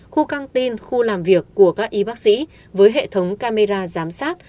khu căng tin khu làm việc của các y bác sĩ với hệ thống camera giám sát